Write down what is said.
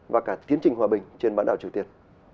và cả kiến trình hòa bình trên bãn đảo triều tiên